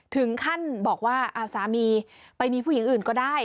ถึงขั้นบอกว่าสามีไปมีผู้หญิงอื่นก็ได้